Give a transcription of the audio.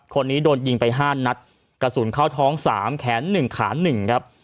คนนี้โดนยิงไป๕นัดกระสุนเข้าท้อง๓แขน๑ขา๑ครับ